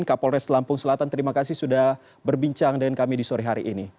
kapolres lampung selatan terima kasih sudah berbincang dengan kami di sore hari ini